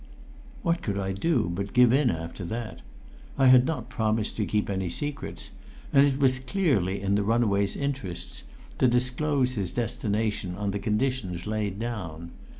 What could I do but give in after that? I had not promised to keep any secrets, and it was clearly in the runaway's interests to disclose his destination on the conditions laid down.